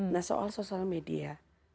nah soal sosial media